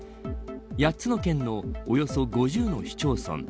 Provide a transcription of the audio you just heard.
８つの県のおよそ５０の市町村